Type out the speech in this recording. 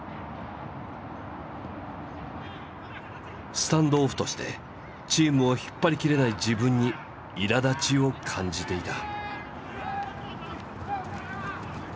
スタンドオフとしてチームを引っ張りきれない自分にいらだちを感じていた。